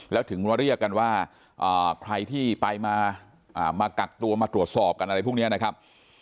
แล้วถึงมาเรียกกันว่าใครที่ไปมากักตัวมาตรวจสอบกันอะไรพวกนี้นะครับ